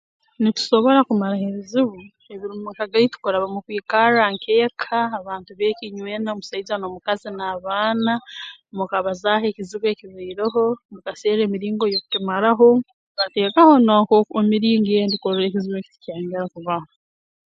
Nitusobora kumaraho ebizibu ebiri mu maka gaitu kuraba mu kwikarra nk'eka abantu b'eka inywena omusaija n'omukazi n'abaana mukabazaaho ekizibu ekibaireho mukaserra emiringo y'okukimaraho mukateekaho na nk'oku emiringo endi kurora ekizibu eki tikyayongera kubaho